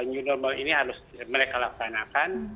new normal ini harus mereka laksanakan